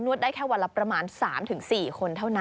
ได้แค่วันละประมาณ๓๔คนเท่านั้น